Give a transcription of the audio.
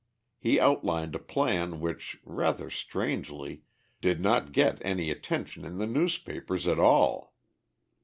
He outlined a plan which, rather strangely, did not get any attention in the newspapers at all.